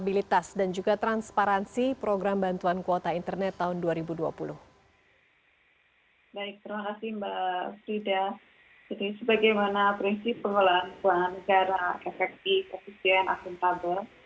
jadi sebagaimana prinsip pengelolaan pelanggan negara efektif efisien asumtabel